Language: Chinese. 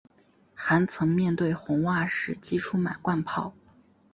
还曾面对红袜时击出满贯炮。